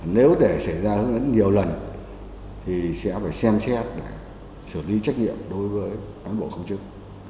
nếu để xảy ra hướng dẫn nhiều lần thì sẽ phải xem xét để xử lý trách nhiệm đối với cán bộ công chức